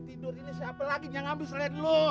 ini siapa lagi yang ambil selain lu